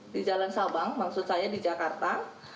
di jalan sabang maksud saya di jakarta